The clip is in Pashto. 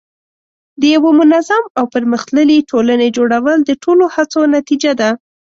د یوه منظم او پرمختللي ټولنې جوړول د ټولو هڅو نتیجه ده.